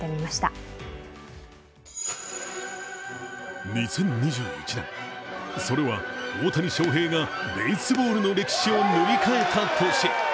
２０２１年、それは大谷翔平がベースボールの歴史を塗り替えた年。